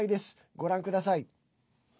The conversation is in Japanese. ご覧ください。